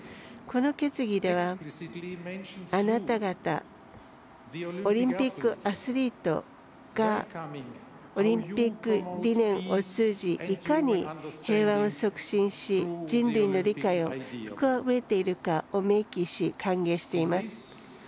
この決議では、あなた方オリンピックアスリートがオリンピック理念を通じいかに平和を促進し人類の理解を深めているかを明記し、歓迎しています。